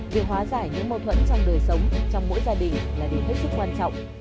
việc hóa giải những mâu thuẫn trong đời sống trong mỗi gia đình là điều hết sức quan trọng